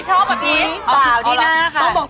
ชอบอะพี่สาวที่หน้าค่ะ